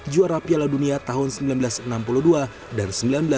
juara piala dunia tahun seribu sembilan ratus enam puluh dua dan seribu sembilan ratus sembilan puluh